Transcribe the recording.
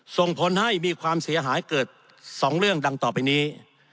ส่งผลให้มีความเสียหายเกิด๒เรื่องดังต่อไปนี้